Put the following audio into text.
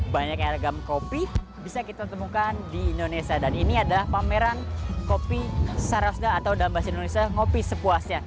banyaknya ragam kopi bisa kita temukan di indonesia dan ini adalah pameran kopi sarafda atau dalam bahasa indonesia ngopi sepuasnya